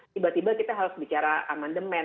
tiba tiba kita harus bicara amandemen